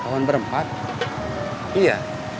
kan ada perangkat ya